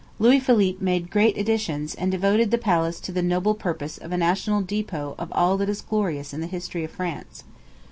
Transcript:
Louis Philippe made great additions, and devoted the palace to the noble purpose of a national depot of all that is glorious in the history of France.